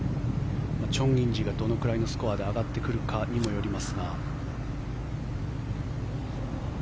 チョン・インジがどのくらいのスコアで上がってくるかにもよりますが。